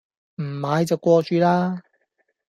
唔買就過主啦